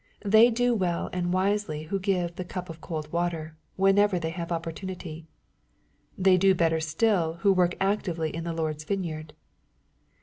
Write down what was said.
They do well and wisely who give the " cup of cold water," whenever they have opportunity. They do better still who work actively in the Lord's vineyard.